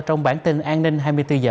trong bản tin an ninh hai mươi bốn h